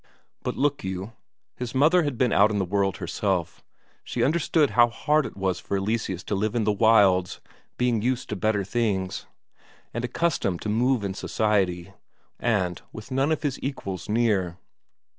For look you, his mother had been out in the world herself; she understood how hard it was for Eleseus to live in the wilds, being used to better things, and accustomed to move in society, and with none of his equals near.